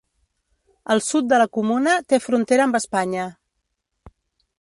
El sud de la comuna té frontera amb Espanya.